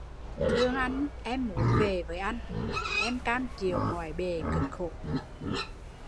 Thương anh em muốn về với anh, em cam chịu mọi bề cực khổ